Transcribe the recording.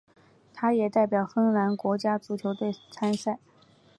他也代表芬兰国家足球队参赛。